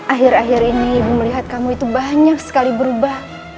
akhir akhir ini ibu melihat kamu itu banyak sekali berubah